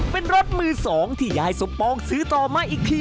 เป็นรถมือสองที่ยายสมปองซื้อต่อมาอีกที